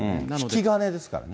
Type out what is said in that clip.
引き金ですからね。